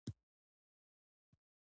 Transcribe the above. مینه او مننه کوم آرین له تاسو محترمو څخه.